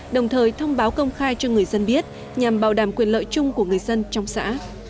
đồng thời thông báo công khai cho người dân biết nhằm bảo đảm quyền lợi chung của người dân trong xã